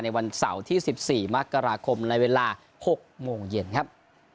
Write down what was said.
วันเสาร์ที่๑๔มกราคมในเวลา๖โมงเย็นครับ